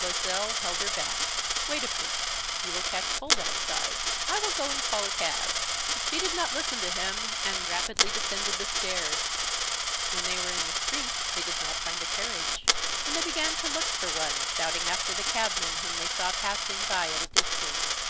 Loisel held her back. "Wait a bit. You will catch cold outside. I will go and call a cab." But she did not listen to him, and rapidly descended the stairs. When they were in the street they did not find a carriage; and they began to look for one, shouting after the cabmen whom they saw passing by at a distance.